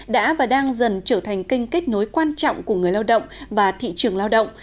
đã và đang dần trở thành kênh kết nối quan trọng của người lao động và thị trường lao động